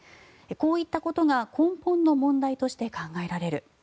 こういったことが根本の問題として考えられる。